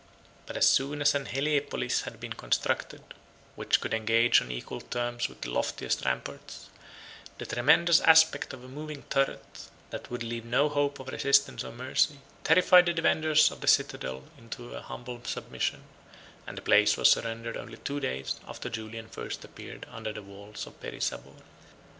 But as soon as an Helepolis had been constructed, which could engage on equal terms with the loftiest ramparts, the tremendous aspect of a moving turret, that would leave no hope of resistance or mercy, terrified the defenders of the citadel into an humble submission; and the place was surrendered only two days after Julian first appeared under the walls of Perisabor.